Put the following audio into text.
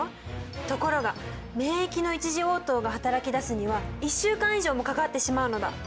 ところが免疫の一次応答がはたらきだすには１週間以上もかかってしまうのだ！